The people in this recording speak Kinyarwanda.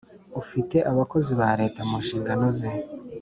ufite abakozi ba leta mu nshingano ze